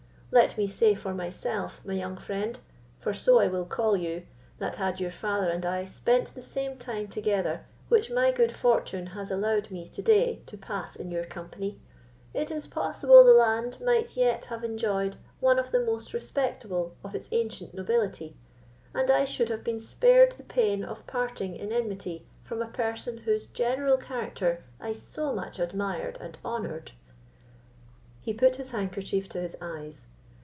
Let me say for myself, my young friend, for so I will call you, that had your father and I spent the same time together which my good fortune has allowed me to day to pass in your company, it is possible the land might yet have enjoyed one of the most respectable of its ancient nobility, and I should have been spared the pain of parting in enmity from a person whose general character I so much admired and honoured." He put his handkerchief to his eyes.